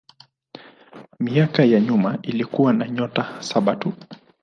Miaka ya nyuma ilikuwa na nyota saba tu.